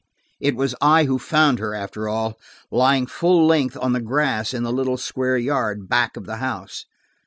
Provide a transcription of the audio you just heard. It was I who found her, after all, lying full length on the grass in the little square yard back of the house.